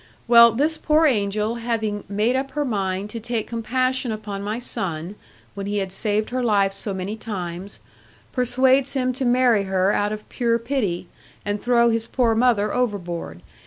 Well, this poor angel, having made up her mind to take compassion upon my son, when he had saved her life so many times, persuades him to marry her out of pure pity, and throw his poor mother overboard.